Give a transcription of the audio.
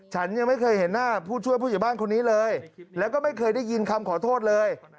ฉันยังไม่เคยเห็นหน้าผู้ช่วยผู้ใหญ่บ้านคนนี้เลยแล้วก็ไม่เคยได้ยินคำขอโทษเลย